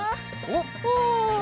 お！